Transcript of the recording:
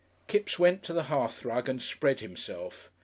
Kipps went to the hearthrug and spread himself.